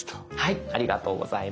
ありがとうございます。